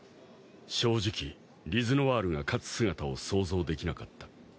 正直ＬｉｚＮｏｉｒが勝つ姿を想像できなかった。